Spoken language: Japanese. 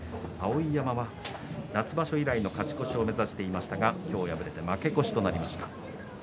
碧山は夏場所以来の勝ち越しを目指していましたが今日、敗れて負け越しとなりました。